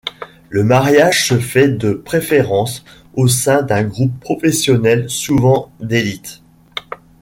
Le mariage se fait de préférence au sein d'un groupe professionnel souvent d'élite.